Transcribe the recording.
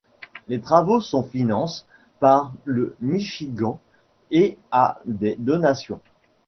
Les travaux sont finances par le Michigan et à des donations.